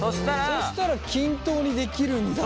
そしたら均等にできるんだ。